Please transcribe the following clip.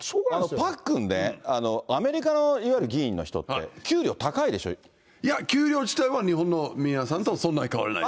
パックンね、アメリカのいわゆる議員の人って、給料、高いでいや、給料自体は日本の皆さんとそんなに変わらないです。